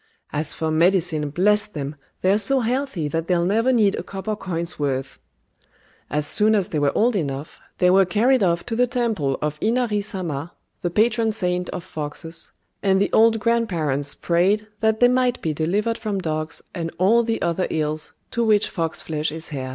"As for medicine, bless them, they're so healthy that they'll never need a copper coin's worth!" As soon as they were old enough, they were carried off to the temple of Inari Sama, the patron saint of foxes, and the old grand parents prayed that they might be delivered from dogs and all the other ills to which fox flesh is heir.